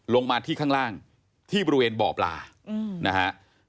ลงมาที่ข้างล่างที่บริเวณบ่อปลานะฮะ